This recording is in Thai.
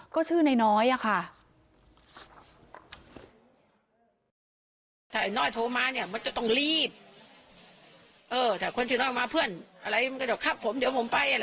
ก็ชื่อน้อยค่ะ